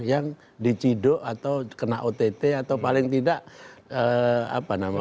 yang diciduk atau kena ott atau paling tidak apa namanya